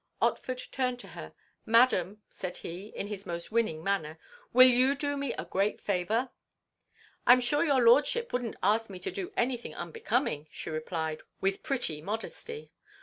Otford turned to her. "Madam," said he, in his most winning manner, "will you do me a great favour?"— "I'm sure your lordship wouldn't ask me anything unbecoming," she replied, with pretty modesty.